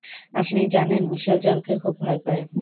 আপনি জানেন মিশেল জলকে খুব ভয় পায়।